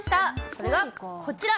それがこちら。